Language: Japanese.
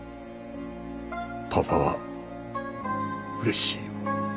パパは嬉しいよ。